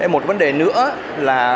một vấn đề nữa là